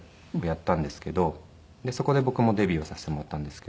そこで僕もデビューをさせてもらったんですけど。